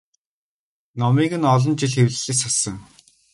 Номыг нь олон жил хэвлэлээс хассан.